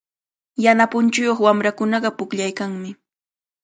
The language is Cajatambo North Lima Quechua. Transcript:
Yana punchuyuq wamrakunaqa pukllaykanmi.